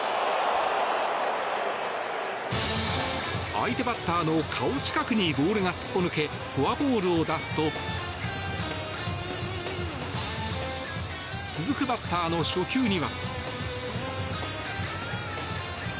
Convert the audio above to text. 相手バッターの顔近くにボールがすっぽ抜けフォアボールを出すと続くバッターの初球には。